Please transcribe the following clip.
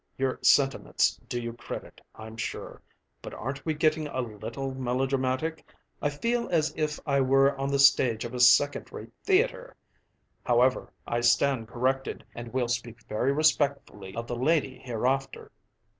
Your sentiments do you credit, I'm sure. But aren't we getting a little melodramatic? I feel as if I were on the stage of a second rate theater! However, I stand corrected; and we'll speak very respectfully of the lady hereafter.